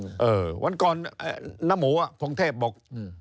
เออวันก่อนเนี่ยนมูอธานเทพเบอร์บอก